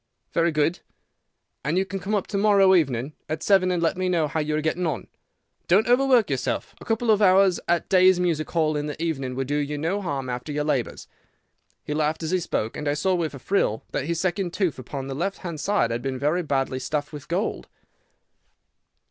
"'Very good.' "'And you can come up to morrow evening, at seven, and let me know how you are getting on. Don't overwork yourself. A couple of hours at Day's Music Hall in the evening would do you no harm after your labours.' He laughed as he spoke, and I saw with a thrill that his second tooth upon the left hand side had been very badly stuffed with gold."